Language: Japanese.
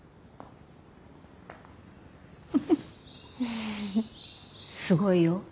フフッすごいよ。